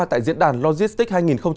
tại diễn đàn logistic hai nghìn một mươi bảy